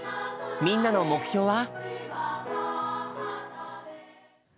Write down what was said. みんなの目標は？